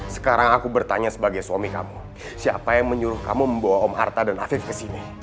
sekarang aku bertanya sebagai suami kamu siapa yang menyuruh kamu membawa om artha dan afif ke sini